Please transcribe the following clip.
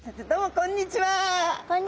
こんにちは！